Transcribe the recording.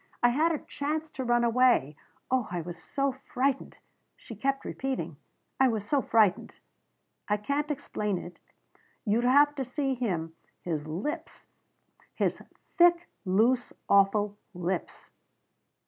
I had a chance to run away Oh I was so frightened." She kept repeating "I was so frightened. "I can't explain it you'd have to see him his lips his thick, loose awful lips!"